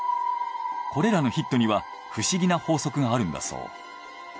これらのヒットには不思議な法則があるんだそう。